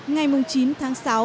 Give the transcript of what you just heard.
ngày chín tháng sáu